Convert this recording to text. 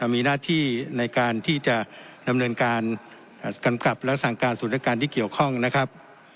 มีหน้าที่ในการที่จะดำเนินการกำกับและสั่งการศูนย์อาการที่เกี่ยวข้องนะครับ